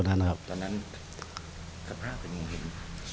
ตอนนั้นสภาพเป็นยังไง